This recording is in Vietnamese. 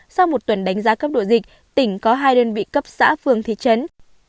sau một tuần đánh giá cấp độ dịch tỉnh có hai đơn vị cấp xã phường thị trấn